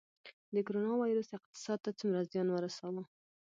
د کرونا ویروس اقتصاد ته څومره زیان ورساوه؟